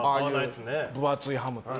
分厚いハムって。